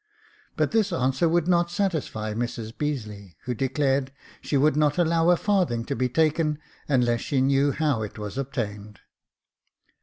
But this answer would not satisfy Mrs Beazeley, who declared she would not allow a farthing to be taken, unless she knew how it was obtained.